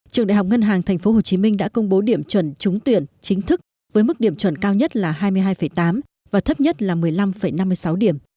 trường đại học ngân hàng tp hcm đã công bố điểm chuẩn trúng tuyển chính thức với mức điểm chuẩn cao nhất là hai mươi hai tám và thấp nhất là một mươi năm năm mươi sáu điểm